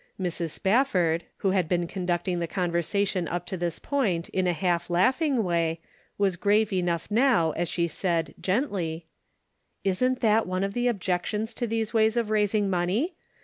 Mrs. Spafford, who had been conducting the conversation up to this point, in a half laughing way, was grave enough now as she said, gently : "Isn't that one of the objections to these ways of raising money?